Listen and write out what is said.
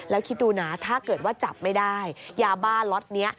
แล้วคิดดูนะถ้าเกิดว่าจับไม่ได้ยาบ้าล็อตนี้